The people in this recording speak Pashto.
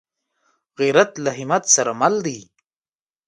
غیرت له همت سره مل دی